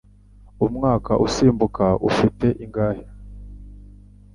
Umwaka usimbuka ufite iminsi ingahe?